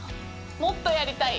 もっとやりたい。